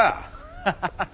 ハハハハ。